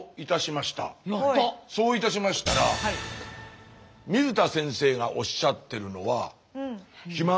そういたしましたら水田先生がおっしゃってるのは。